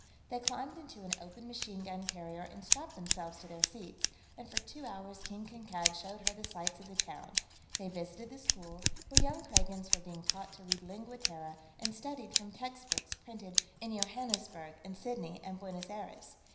They climbed into an open machine gun carrier and strapped themselves to their seats, and for two hours King Kankad showed her the sights of the town. They visited the school, where young Kragans were being taught to read Lingua Terra and studied from textbooks printed in Johannesburg and Sydney and Buenos Aires.